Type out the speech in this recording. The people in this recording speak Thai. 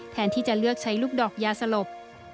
แทนที่จะเลือกใช้ลูกดอกยาสลบ